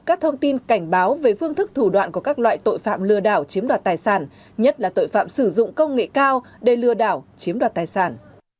các thông tin cảnh báo về phương thức thủ đoạn của các loại tội phạm lừa đảo chiếm đoạt tài sản nhất là tội phạm sử dụng công nghệ cao để lừa đảo chiếm đoạt tài sản